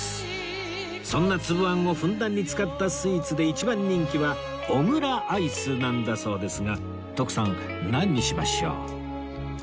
そんな粒あんをふんだんに使ったスイーツで一番人気は小倉アイスなんだそうですが徳さんなんにしましょう？